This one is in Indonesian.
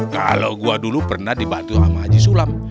kalo gua dulu pernah dibantu sama haji sulam